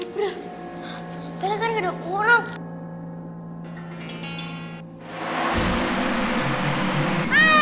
bril kadang kadang ada orang